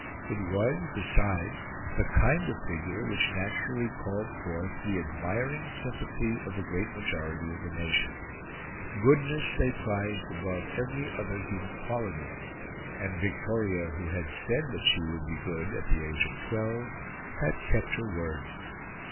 It was, besides, the kind of figure which naturally called forth the admiring sympathy of the great majority of the nation. Goodness they prized above every other human quality; and Victoria, who had said that she would be good at the age of twelve, had kept her word.